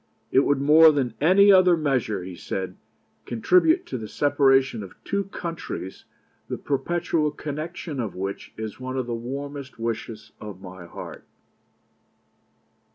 'It would more than any other measure,' he said, 'contribute to the separation of two countries the perpetual connection of which is one of the warmest wishes of my heart.'